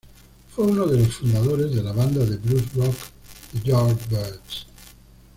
Fue uno de los fundadores de la banda de Blues rock The Yardbirds.